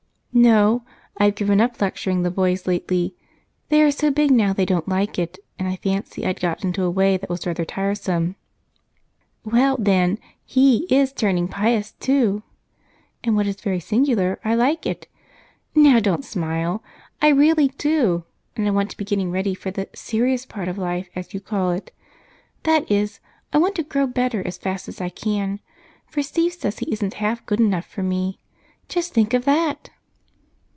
"No, I've given up lecturing the boys lately they are so big now they don't like it, and I fancy I'd got into a way that was rather tiresome." "Well, then, he is 'turning pious' too. And what is very singular, I like it. Now don't smile I really do and I want to be getting ready for the 'serious part of life,' as you call it. That is, I want to grow better as fast as I can, for Steve says he isn't half good enough for me. Just think of that!"